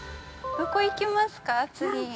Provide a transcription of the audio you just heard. どこ行きますか、次。